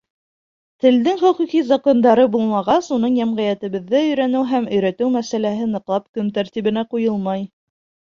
Телдең хоҡуҡи закондары булмағас, уны йәмғиәтебеҙҙә өйрәнеү һәм өйрәтеү мәсьәләһе ныҡлап көн тәртибенә ҡуйылмай.